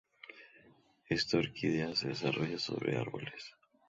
Esta Orquídea se desarrolla sobre árboles.